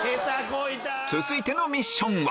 続いてのミッションは